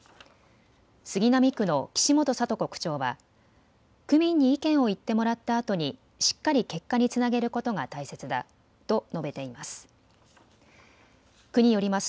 杉並区の岸本聡子区長は区民に意見を言ってもらったあとにしっかり結果につなげることが大切だと述べています。